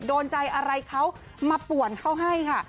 โดนใจอะไรเขามาป่วนเขาให้ค่ะ